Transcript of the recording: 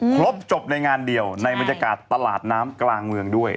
ครบจบในงานเดียวในบรรยากาศตลาดน้ำกลางเมืองด้วย